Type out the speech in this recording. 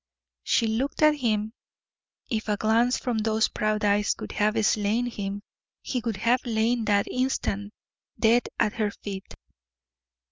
She looked at him; if a glance from those proud eyes could have slain him, he would have lain that instant dead at her feet.